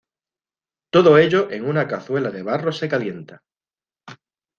Todo ello en una cazuela de barro se calienta.